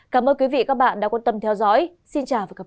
cảm ơn các bạn đã theo dõi